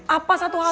apa satu hal lagi